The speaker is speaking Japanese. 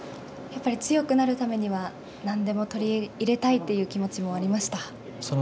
やっぱり強くなるためには、なんでも取り入れたいっていう気持ちもありました？